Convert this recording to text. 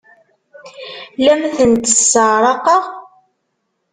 La am-tent-sseɛraqeɣ?